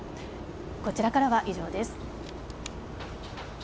こちらからは以上です。